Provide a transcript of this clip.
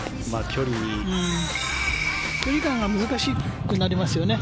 距離感が難しくなりますよね。